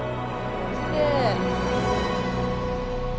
きれい。